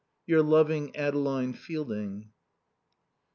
Your loving Adeline Fielding.